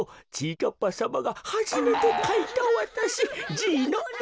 かっぱさまがはじめてかいたわたしじいのえ。